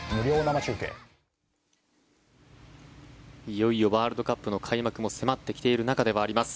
いよいよワールドカップの開幕も迫ってきている中ではあります。